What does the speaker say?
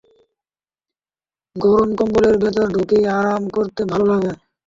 গরম কম্বলের ভেতর ঢুকে আরাম করতে ভালো লাগে।